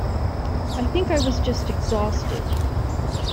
I think I was just exhausted.